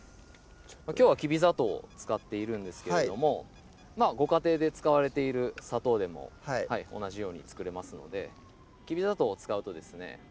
きょうはきび砂糖使っているんですけれどもご家庭で使われている砂糖でも同じように作れますのできび砂糖を使うとですね